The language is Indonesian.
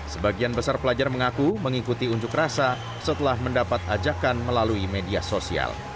sebagian besar pelajar mengaku mengikuti unjuk rasa setelah mendapat ajakan melalui media sosial